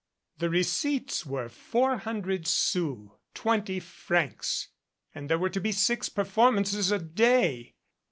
The receipts were four hundred sous twenty francs and there were to be six performances a day!